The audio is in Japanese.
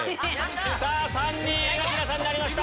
さぁ３人江頭さんになりました。